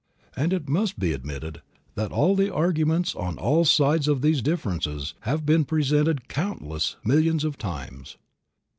And it must be admitted that all the arguments on all sides of these differences have been presented countless millions of times.